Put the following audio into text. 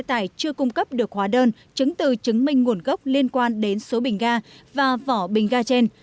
tài chưa cung cấp được hóa đơn chứng từ chứng minh nguồn gốc liên quan đến số bình ga và vỏ bình ga trên